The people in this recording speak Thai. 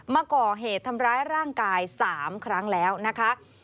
มาก่อเหตุทำร้ายร่างกาย๓ครั้งแล้วนะคะ